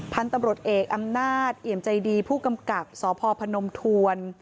พันธุ์ตำรวจเอกอำนาจเอี่ยมใจดีผู้กำกับสพพนมทวน